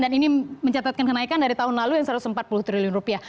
dan ini mencatatkan kenaikan dari tahun lalu yang satu ratus empat puluh triliun rupiah